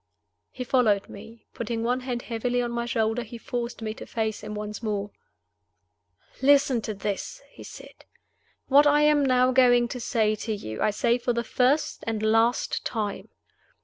He followed me. Putting one hand heavily on my shoulder, he forced me to face him once more. "Listen to this," he said. "What I am now going to say to you I say for the first and last time.